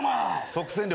即戦力。